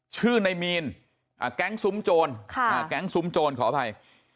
ชื่อในมีนแก๊งซุ้มโจรแก๊งซุ้มโจรขออภัย